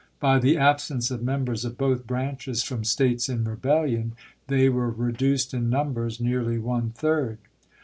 By the absence of members of both branches from States in rebellion they were reduced in numbers nearly one third.